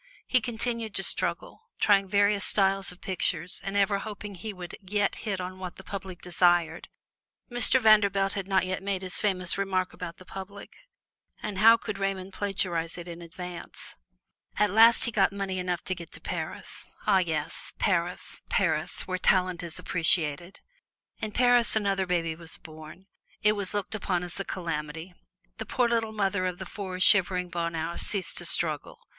He continued to struggle, trying various styles of pictures and ever hoping he would yet hit on what the public desired. Mr. Vanderbilt had not yet made his famous remark about the public, and how could Raymond plagiarize it in advance? At last he got money enough to get to Paris ah, yes, Paris, Paris, there talent is appreciated! In Paris another baby was born it was looked upon as a calamity. The poor little mother of the four little shivering Bonheurs ceased to struggle.